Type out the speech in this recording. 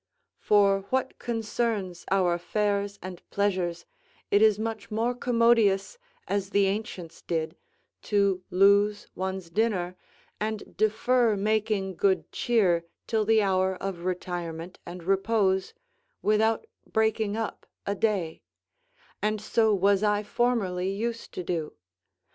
For what concerns our affairs and pleasures, it is much more commodious, as the ancients did, to lose one's dinner, and defer making good cheer till the hour of retirement and repose, without breaking up a day; and so was I formerly used to do.